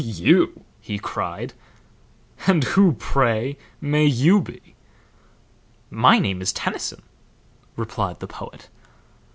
"You?" he cried. "And who, pray, may you be?" "My name is Tennyson," replied the poet.